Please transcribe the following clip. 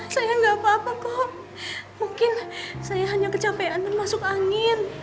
saya nggak apa apa kok mungkin saya hanya kecapean termasuk angin